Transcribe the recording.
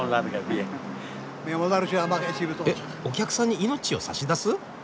えお客さんに命を差し出す？